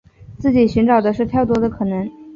自己寻找的是跳脱的可能